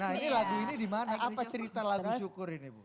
nah ini lagu ini dimana apa cerita lagu syukur ini bu